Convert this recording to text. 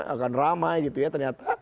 akan ramai gitu ya ternyata